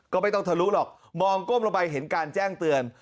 ก็ไม่ต้องทะลุหรอกมองก้มลงไปเห็นการแจ้งเตือน